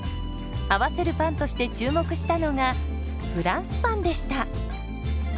合わせるパンとして注目したのがフランスパンでした。